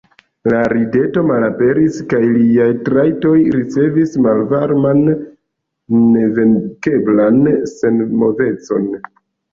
La rideto malaperis, kaj liaj trajtoj ricevis malvarman, nevenkeblan senmovecon.